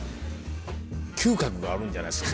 嗅覚があるんじゃないですか